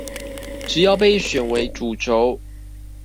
只要被選為主軸